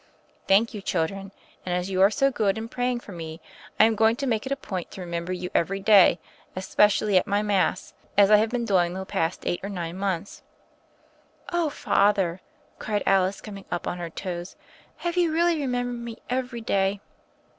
"Thank you, children; and as you are so good in praying for me, I am going to make it a point to remember you every day, especially at my Mass, as I have been doing the past eight or nine months." "Oh, Father," cried Alice coming up on her toes, "have you really remembered me every day?"